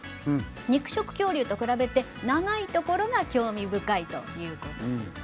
肉食恐竜と比べて長いところが興味深いということです。